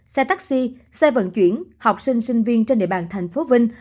xe taxi xe vận chuyển học sinh sinh viên trên địa bàn tp vinh